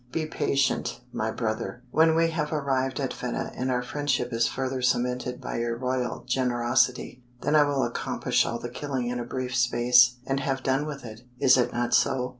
Be patient, my brother. When we have arrived at Fedah and our friendship is further cemented by your royal generosity, then will I accomplish all the killing in a brief space and have done with it. Is it not so?"